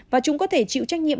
và chúng có thể chịu trách nhiệm